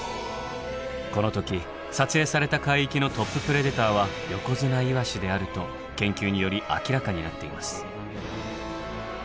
この時撮影された海域のトッププレデターはヨコヅナイワシであると研究により明らかになっています。